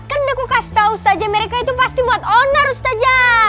kan udah kukasih tau ustazah mereka itu pasti buat onar ustazah